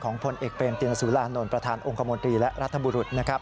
ผลเอกเปรมตินสุรานนท์ประธานองค์คมนตรีและรัฐบุรุษนะครับ